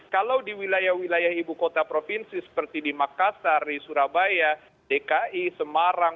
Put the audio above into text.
kalau di wilayah wilayah ibu kota provinsi seperti di makassar di surabaya dki semarang